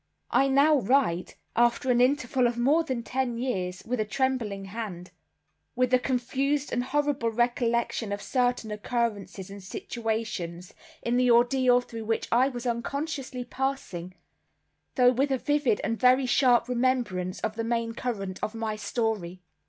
I now write, after an interval of more than ten years, with a trembling hand, with a confused and horrible recollection of certain occurrences and situations, in the ordeal through which I was unconsciously passing; though with a vivid and very sharp remembrance of the main current of my story.